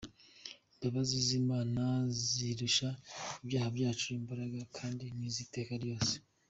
Imbabazi z'Imana zirusha ibyaha byacu imbaraga kandi n'iz'iteka ryose.